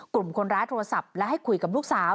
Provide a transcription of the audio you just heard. กลุ่มคนร้ายโทรศัพท์และให้คุยกับลูกสาว